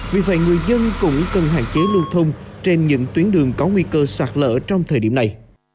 vì vậy người dân cũng cần hạn chế lưu thông trên những tuyến đường có nguy cơ sạt lỡ trong thời điểm này